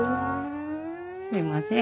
すいません。